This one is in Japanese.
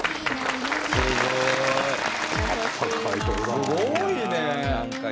すごいね！